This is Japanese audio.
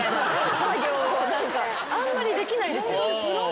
あんまりできないですよ。